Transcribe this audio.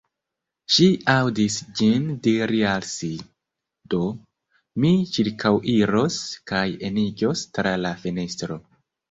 Ŝi aŭdis ĝin diri al si: “Do, mi ĉirkaŭiros kaj eniĝos tra la fenestro.”